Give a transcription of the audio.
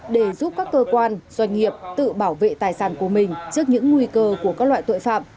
để giúp các cơ quan doanh nghiệp tự bảo vệ tài sản của mình trước những nguy cơ của các loại tội phạm